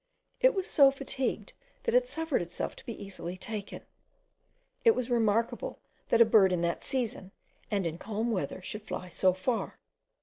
It was so fatigued, that it suffered itself to be easily taken. It was remarkable that a bird, in that season, and in calm weather, should fly so far.